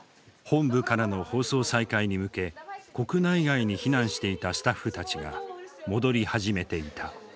本部からの放送再開に向け国内外に避難していたスタッフたちが戻り始めていた。